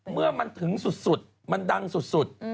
เมื่อมันถึงสุดมันดังสุด